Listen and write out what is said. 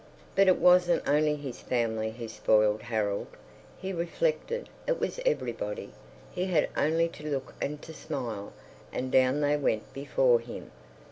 But it wasn't only his family who spoiled Harold, he reflected, it was everybody; he had only to look and to smile, and down they went before him.